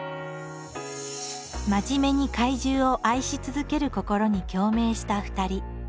真面目に怪獣を愛し続ける心に共鳴した２人。